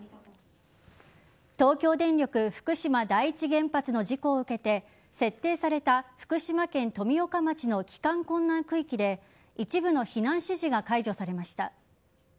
東京電力福島第一原発の事故を受けて設定された福島県富岡町の帰還困難区域で一部の避難指示が解除されました。